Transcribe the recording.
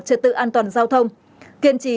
trật tự an toàn giao thông kiên trì